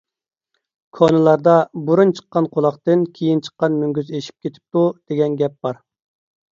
كونىلاردا: «بۇرۇن چىققان قۇلاقتىن، كېيىن چىققان مۈڭگۈز ئېشىپ كېتىپتۇ» دېگەن گەپ بار.